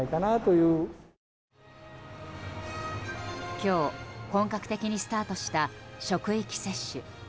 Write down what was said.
今日、本格的にスタートした職域接種。